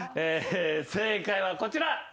正解はこちら。